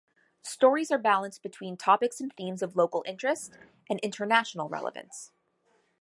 Stories are balanced between topics and themes of local interest and international relevance.